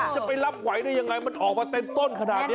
จะไปรับไหวได้ยังไงมันออกมาเต็มต้นขนาดนี้